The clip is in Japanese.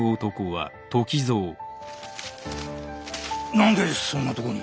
何でそんなとこに。